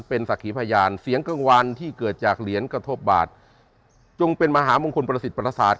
เป็นสักขีพยานเสียงกลางวันที่เกิดจากเหรียญกระทบบาทจงเป็นมหามงคลประสิทธิประสาท